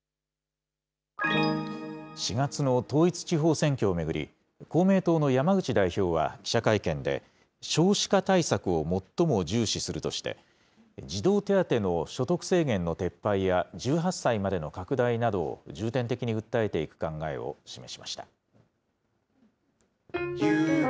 ４月の統一地方選挙を巡り、公明党の山口代表は記者会見で、少子化対策を最も重視するとして、児童手当の所得制限の撤廃や１８歳までの拡大などを重点的に訴えていく考えを示しました。